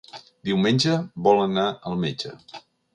Diumenge vol anar al metge.